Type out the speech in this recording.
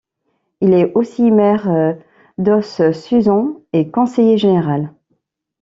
Il est aussi maire d'Ousse-Suzan et conseiller général.